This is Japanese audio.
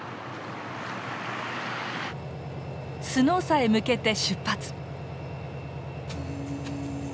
スノーサへ向けて出発！